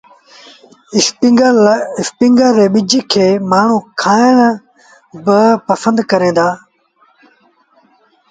اسپيٚنگر ري ٻج کي مآڻهوٚٚݩ کآڻ لآ با استمآل ڪريݩ دآ۔